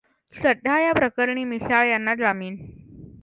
सध्या या प्रकरणी मिसाळ यांना जामीन.